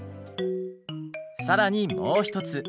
更にもう一つ。